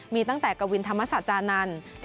มีตั้งแต่กวินธรรมศาจานันทร์